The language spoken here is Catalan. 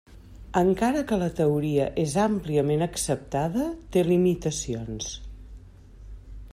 Encara que la teoria és àmpliament acceptada, té limitacions.